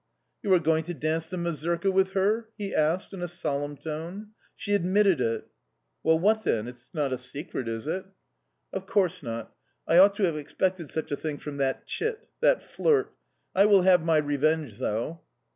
"You are going to dance the mazurka with her?" he asked in a solemn tone. "She admitted it"... "Well, what then? It is not a secret, is it"? "Of course not... I ought to have expected such a thing from that chit that flirt... I will have my revenge, though!"